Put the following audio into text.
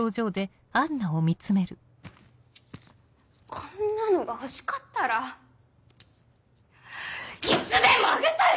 こんなのが欲しかったらいつでもあげたよ！